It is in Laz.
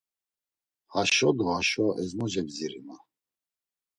Haşo do haşo ezmoce bziri, ma.